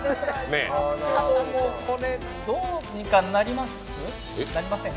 これ、どうにかなりません？